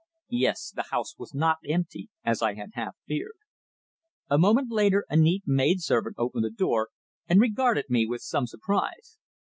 Yes, the house was not empty, as I had half feared. A moment later a neat maid servant opened the door, and regarded me with some surprise.